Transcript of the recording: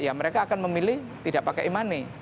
ya mereka akan memilih tidak pakai e money